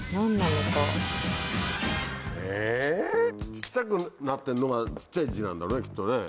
小っちゃくなってんのが小っちゃい字なんだねきっとね。